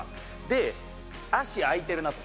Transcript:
「で足空いてるなと」